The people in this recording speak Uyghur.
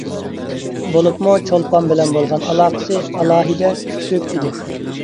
بولۇپمۇ چولپان بىلەن بولغان ئالاقىسى ئالاھىدە كۈچلۈك ئىدى.